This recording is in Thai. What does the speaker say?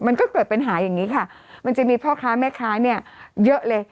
มันก็เกิดปัญหาอย่างนี้ค่ะมันจะมีพ่อค้าแม่ค้าเนี่ยเยอะเลย